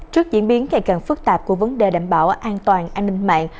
trước diễn biến ngày càng phức tạp của vấn đề đảm bảo an toàn an ninh mạng